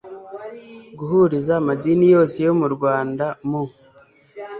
guhuriza amadini yose yo mu rwanda mu